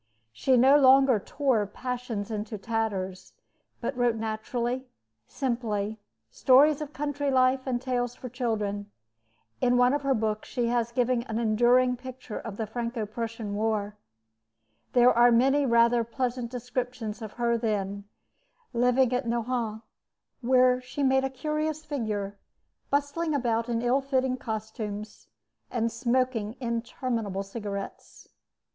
She no longer tore passions into tatters, but wrote naturally, simply, stories of country life and tales for children. In one of her books she has given an enduring picture of the Franco Prussian War. There are many rather pleasant descriptions of her then, living at Nohant, where she made a curious figure, bustling about in ill fitting costumes, and smoking interminable cigarettes.